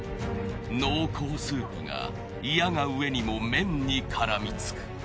濃厚スープが嫌がうえにも麺に絡みつく。